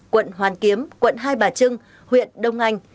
quận hoàn kiếm quận hai bà trưng huyện đông anh